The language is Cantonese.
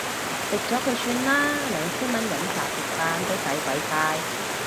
食咗佢算啦，兩千蚊飲茶食飯都使鬼晒